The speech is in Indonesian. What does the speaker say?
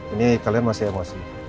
ini kalian masih emosi